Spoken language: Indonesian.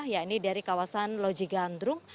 ya ini dari kawasan loji gandrung